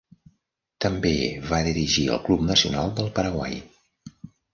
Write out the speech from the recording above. També va dirigir el Club Nacional del Paraguai.